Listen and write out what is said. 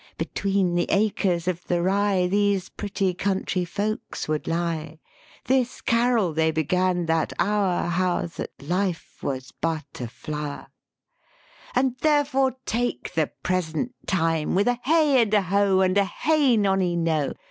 " Between the acres of the rye These pretty country folks would lie: This carol they began that hour, How, that life was but a flower: '' And therefore take the present time With a hey and a ho and a hey nonino!